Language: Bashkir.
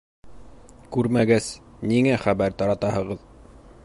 — Күрмәгәс, ниңә хәбәр таратаһығыҙ?